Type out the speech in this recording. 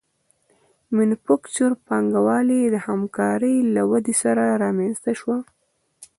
مینوفکچور پانګوالي د همکارۍ له ودې سره رامنځته شوه